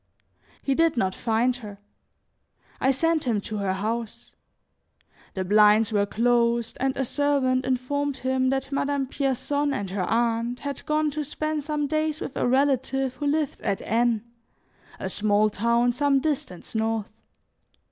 He did not find her; I sent him to her house. The blinds were closed, and a servant informed him that Madame Pierson and her aunt had gone to spend some days with a relative who lived at N , a small town some distance north.